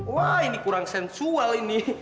wah ini kurang sensual ini